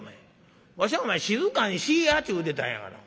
わしは静かにしいやって言うてたんやがな。